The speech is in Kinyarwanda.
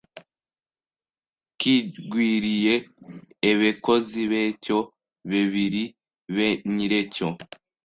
kigwiriye ebekozi becyo bebiri be nyirecyo